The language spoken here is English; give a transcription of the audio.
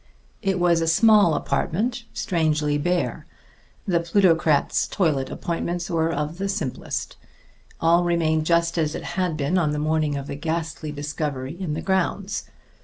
It was a small apartment, strangely bare. The plutocrat's toilet appointments were of the simplest. All remained just as it had been on the morning of the ghastly discovery in the grounds.